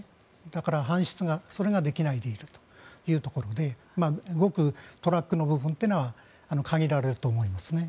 だから搬出ができないでいるというところでトラックは限られると思います。